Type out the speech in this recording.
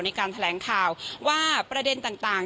ในการแถลงข่าวว่าประเด็นต่าง